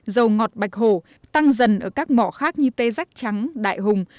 dầu ngọt hổ tăng dần ở các mỏ khác như tê giác trắng đại hùng